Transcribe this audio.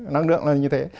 năng lượng là như thế